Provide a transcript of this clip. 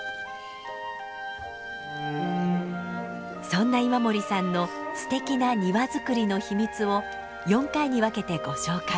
そんな今森さんのすてきな庭づくりの秘密を４回に分けてご紹介。